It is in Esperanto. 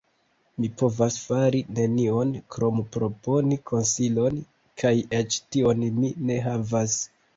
Mi povas fari nenion krom proponi konsilon, kaj eĉ tion mi ne havas.